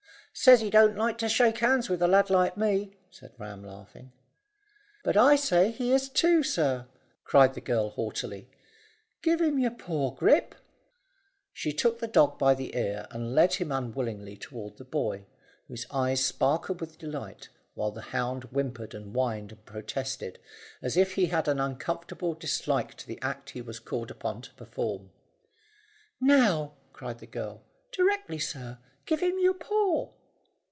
"Says he don't like to shake hands with a lad like me," said Ram, laughing. "But I say he is to, sir," cried the girl haughtily. "Give him your paw, Grip." She took the dog by the ear and led him unwillingly toward the boy, whose eyes sparkled with delight while the hound whimpered and whined and protested, as if he had an unconquerable dislike to the act he was called upon to perform. "Now," cried the girl, "directly, sir. Give him your paw."